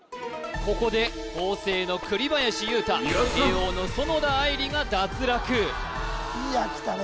ここで法政の栗林祐太慶應の園田愛莉が脱落いやきたね